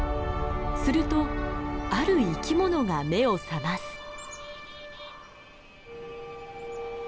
するとある生きものが目を覚ます。